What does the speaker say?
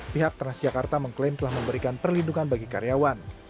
pihak transjakarta mengklaim telah memberikan perlindungan bagi karyawan